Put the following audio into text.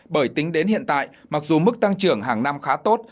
bởi tính đến hiện tại mặc dù mức tăng trưởng hàng năm khá tốt